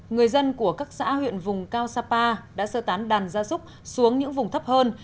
người dân của các xã huyện vùng cao sapa đã sơ tán đàn gia súc xuống những vùng thấp hơn